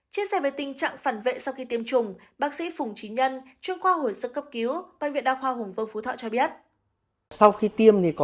chia sẻ về tình trạng phản vệ sau khi tiêm chủng bác sĩ phùng trí nhân chuyên khoa hồi sức cấp cứu bệnh viện đa khoa hùng vương phú thọ cho biết